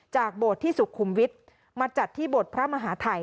จากบทที่สุขุมวิทย์มาจัดที่บทพระมหาถ่าย